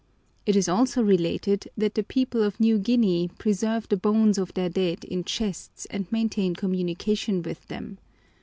It is also related that the people of New Guinea preserve the bones of their dead in chests and maintain communication with them.